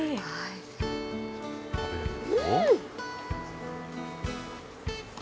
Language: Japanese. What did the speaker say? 食べると？